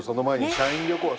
社員旅行は。